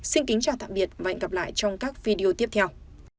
xin kính chào tạm biệt và hẹn gặp lại trong các video tiếp theo